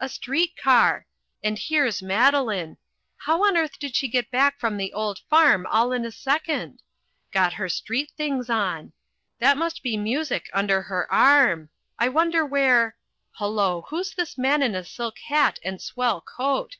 A street car! And here's Madeline! How on earth did she get back from the old farm all in a second? Got her street things on that must be music under her arm I wonder where hullo who's this man in a silk hat and swell coat?